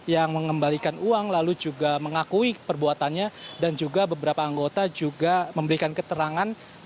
yang mengembalikan uang lalu juga mengakui perbuatannya dan juga beberapa anggota juga memberikan keterangan